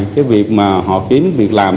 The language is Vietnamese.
cái việc mà họ kiếm việc làm